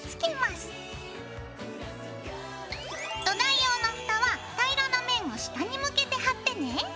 土台用のふたは平らな面を下に向けて貼ってね。